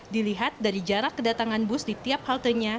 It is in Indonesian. dilihat dari jarak kedatangan bus di tiap haltenya